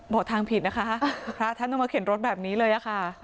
ทางผิดนะคะพระท่านต้องมาเข็นรถแบบนี้เลยค่ะ